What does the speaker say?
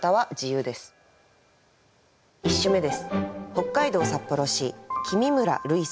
１首目です。